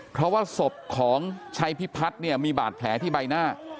เพราะว่าศพของชัยพิพัฒน์เนี่ยมีบาดแผลที่ใบหน้า